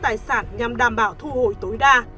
tài sản nhằm đảm bảo thu hồi tối đa